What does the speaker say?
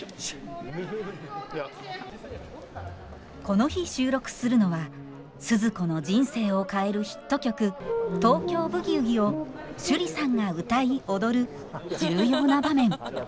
この日収録するのはスズ子の人生を変えるヒット曲「東京ブギウギ」を趣里さんが歌い踊る重要な場面。